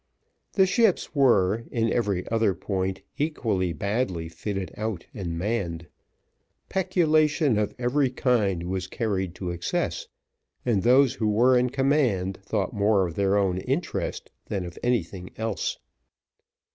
The ships were, in every other point, equally badly fitted out and manned; peculation of every kind was carried to excess, and those who were in command thought more of their own interest than of anything else.